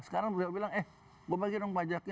sekarang beliau bilang eh gue bagi dong pajaknya